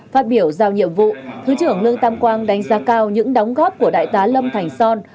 phát biểu giao nhiệm vụ thứ trưởng lương tam quang đánh giá cao những đóng góp của đại tá lâm thành son